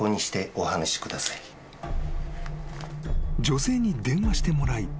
［女性に電話してもらい］